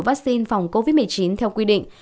vaccine phòng covid một mươi chín theo quy định